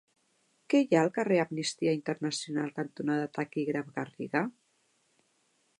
Què hi ha al carrer Amnistia Internacional cantonada Taquígraf Garriga?